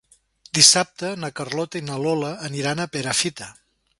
Dissabte na Carlota i na Lola aniran a Perafita.